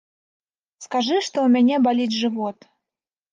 Скажы, што ў мяне баліць жывот.